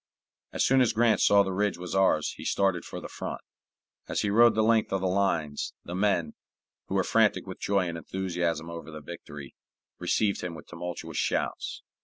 As soon as Grant saw the ridge was ours, he started for the front. As he rode the length of the lines, the men, who were frantic with joy and enthusiasm over the victory, received him with tumultuous shouts.